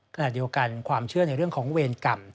ขณะเดียวกันความเชื่อในเรื่องของเวรกรรม